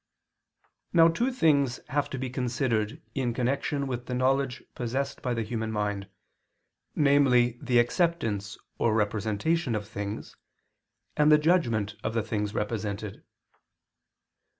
Now two things have to be considered in connection with the knowledge possessed by the human mind, namely the acceptance or representation of things, and the judgment of the things represented.